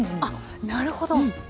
あっなるほど。